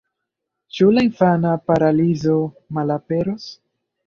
Ĉu la infana paralizo malaperos?